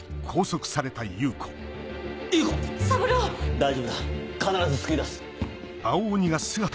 大丈夫だ必ず救い出す。